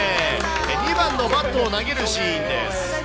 ２番のバットを投げるシーンです。